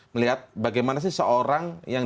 melihat bagaimana sih seorang yang